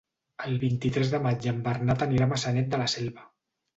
El vint-i-tres de maig en Bernat anirà a Maçanet de la Selva.